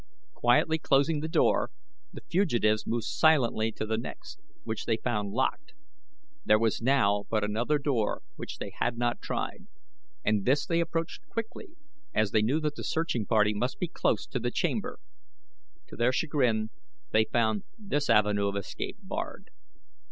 Quietly closing the door the fugitives moved silently to the next, which they found locked. There was now but another door which they had not tried, and this they approached quickly as they knew that the searching party must be close to the chamber. To their chagrin they found this avenue of escape barred.